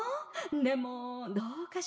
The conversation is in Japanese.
でもどうかしら。